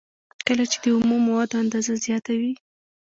کله چې د اومو موادو اندازه زیاته وي